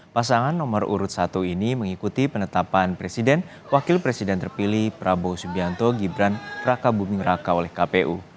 pasangan nomor urut satu ini mengikuti penetapan presiden wakil presiden terpilih prabowo subianto gibran raka buming raka oleh kpu